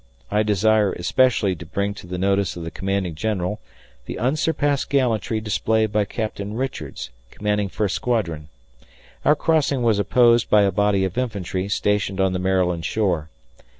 I desire especially to bring to the notice of the commanding general the unsurpassed gallantry displayed by Captain Richards, commanding First Squadron. Our crossing was opposed by a body of infantry stationed on the Maryland shore.